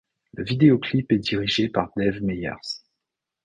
Le vidéoclip est dirigé par Dave Meyers.